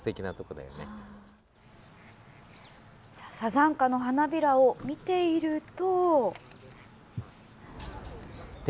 サザンカの花びらを見ていると。